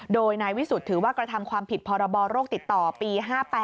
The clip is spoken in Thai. โดยนายวิสุทธิ์ถือว่ากระทำความผิดพรบโรคติดต่อปี๕๘